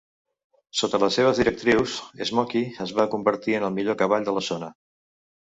Sota les seves directrius, Smoky es va convertir en el millor cavall de la zona.